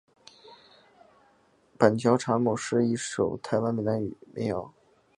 板桥查某是一首台湾闽南语民谣。